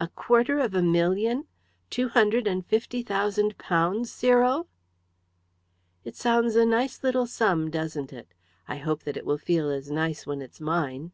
"A quarter of a million! Two hundred and fifty thousand pounds, Cyril!" "It sounds a nice little sum, doesn't it? I hope that it will feel as nice when it's mine!"